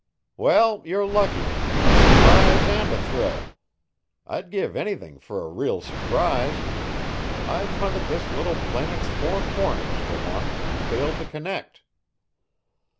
"Well, you're lucky a surprise and a thrill. I'd give anything for a real surprise I've hunted this little planet's four corners for one and failed to connect."